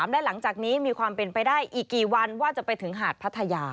และหลังจากนี้มีความเป็นไปได้อีกกี่วันว่าจะไปถึงหาดพัทยา